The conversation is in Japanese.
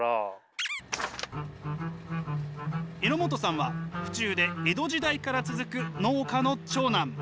榎本さんは府中で江戸時代から続く農家の長男。